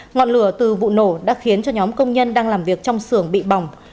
ngọn lửa từ vụ nổ đã khiến cho nhóm công nhân đang làm việc trong xưởng bị bỏng